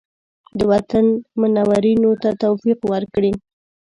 د وطن منورینو ته توفیق ورکړي.